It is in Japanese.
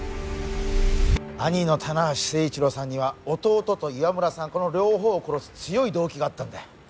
兄の棚橋政一郎さんには弟と岩村さんこの両方を殺す強い動機があったんだよ